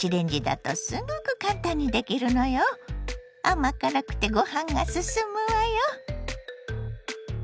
甘辛くてごはんが進むわよ。